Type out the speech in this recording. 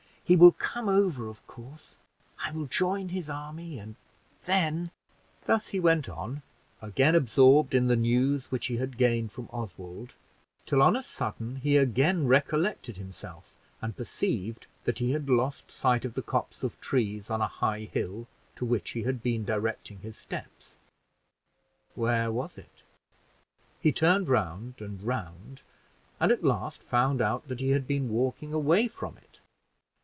he will come over of course: I will join his army, and then " Thus he went on, again absorbed in the news which he had gained from Oswald, till on a sudden he again recollected himself, and perceived that he had lost sight of the copse of trees on a high hill, to which he had been directing his steps. Where was it? He turned round and round, and at last found out that he had been walking away from it.